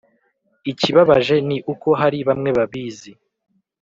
Ikibabaje ni uko hari bamwe babizi